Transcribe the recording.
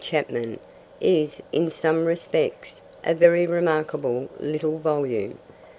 Chapman, is, in some respects, a very remarkable little volume.